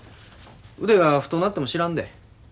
腕が太うなっても知らんで。